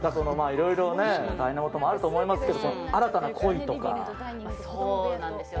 いろいろ大変なこともあると思いますけど新たな恋とか。